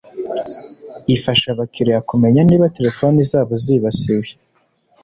ifasha abakiliya kumenya niba telefone zabo zibasiwe